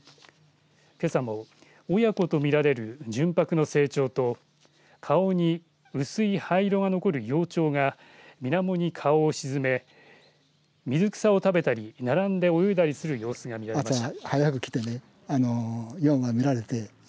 けさも親子と見られる純白の成鳥と顔に薄い灰色が残る幼鳥が水面に顔を沈め水草を食べたり並んで泳いだりしたりする姿が見られました。